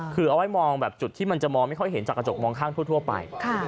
คือเอาไว้มองแบบจุดที่มันจะมองไม่ค่อยเห็นจากกระจกมองข้างทั่วไป